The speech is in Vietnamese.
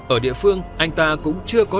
ở địa phương anh ta cũng chưa có